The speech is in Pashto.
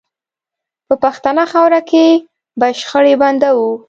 په پښتنه خاوره کې به شخړې بندوو